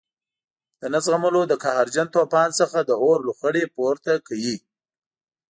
د نه زغملو له قهرجن توپان څخه د اور لوخړې پورته کوي.